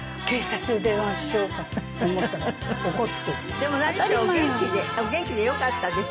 でも何しろお元気でお元気でよかったです。